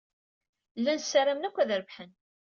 Llan ssaramen akk ad terbeḥ.